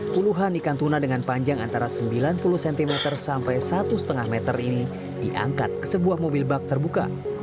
puluhan ikan tuna dengan panjang antara sembilan puluh cm sampai satu lima meter ini diangkat ke sebuah mobil bak terbuka